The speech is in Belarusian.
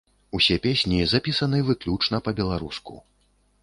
Усе песні запісаны выключна па-беларуску.